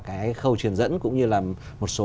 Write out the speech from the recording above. cái khâu truyền dẫn cũng như là một số